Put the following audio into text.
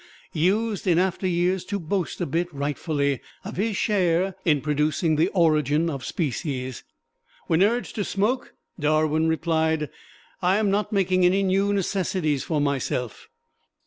B., used in after years to boast a bit, and rightfully, of his share in producing "The Origin of Species." When urged to smoke, Darwin replied, "I am not making any new necessities for myself."